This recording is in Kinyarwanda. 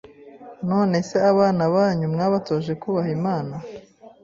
nonese abana banyu mwabatoje kubaha lmana